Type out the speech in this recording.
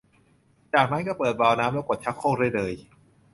จากนั้นก็เปิดวาล์วน้ำแล้วกดชักโครกได้เลย